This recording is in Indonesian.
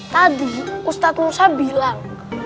tadi ustadz musa bilang